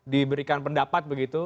diberikan pendapat begitu